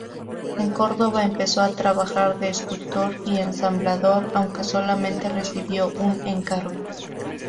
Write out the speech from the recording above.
En Córdoba empezó a trabajar de escultor y ensamblador, aunque solamente recibió un encargo.